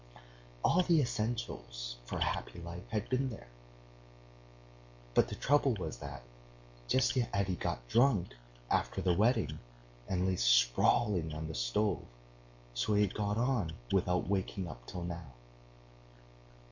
All the essentials for a happy life had been there, but the trouble was that, just as he had got drunk after the wedding and lay sprawling on the stove, so he had gone on without waking up till now.